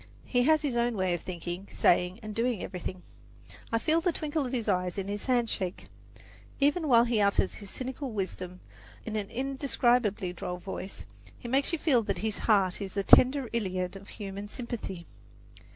He has his own way of thinking, saying and doing everything. I feel the twinkle of his eye in his handshake. Even while he utters his cynical wisdom in an indescribably droll voice, he makes you feel that his heart is a tender Iliad of human sympathy.